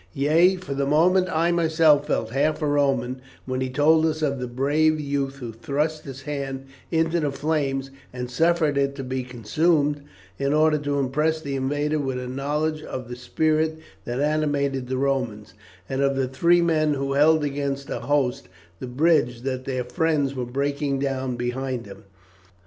Yea, for the moment I myself felt half a Roman when he told us of the brave youth who thrust his hand into the flames, and suffered it to be consumed in order to impress the invader with a knowledge of the spirit that animated the Romans, and of the three men who held against a host the bridge that their friends were breaking down behind them.